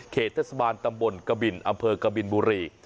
เทศบาลตำบลกบินอำเภอกบินบุรี